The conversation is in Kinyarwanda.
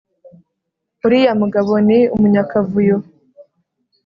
uriya mugabo ni umunyakavuyo